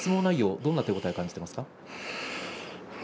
どんなところに手応えを感じていますか。